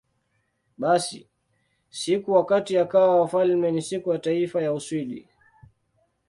Basi, siku wakati akawa wafalme ni Siku ya Taifa ya Uswidi.